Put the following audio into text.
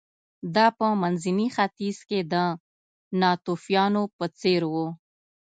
دا په منځني ختیځ کې د ناتوفیانو په څېر و